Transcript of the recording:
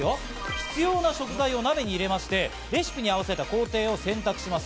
必要な食材を鍋に入れまして、レシピに合わせた工程を選択します。